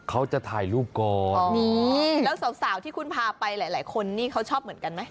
เขาจะถ่ายรูปก่อนนี่แล้วสาวที่คุณพาไปหลายหลายคนนี่เขาชอบเหมือนกันไหม